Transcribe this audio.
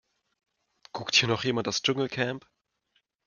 Guckt hier noch jemand das Dschungelcamp?